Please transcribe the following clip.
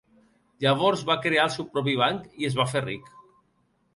Llavors va crear el seu propi banc i es va fer ric.